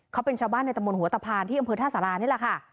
เขาเป็นชาวบ้านในตะมุนหัวตะพานที่อำเภอท่าสารา